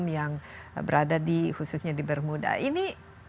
yang berada di khususnya di bermuda ini